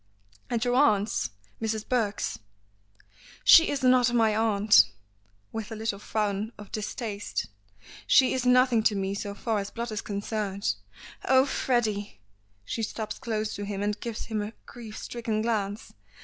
"At your aunt's? Mrs. Burke's?" "She is not my aunt," with a little frown of distaste; "she is nothing to me so far as blood is concerned. Oh! Freddy." She stops close to him, and gives him a grief stricken glance.